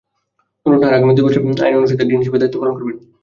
নুরুন নাহার আগামী দুই বছর আইন অনুষদের ডিন হিসেবে দায়িত্ব পালন করবেন।